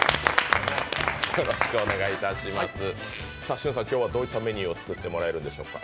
俊さん、今日はどういったメニューを作ってもらえるんですか？